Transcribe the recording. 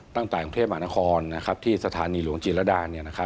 ตั้งแต่กรุงเทพมหานครที่สถานีหลวงจิรดา